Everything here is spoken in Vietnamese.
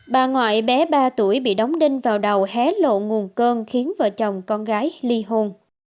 bà ngoại bé ba tuổi bị đóng đinh vào đầu hé lộ nguồn cơn khiến vợ chồng con gái ly hôn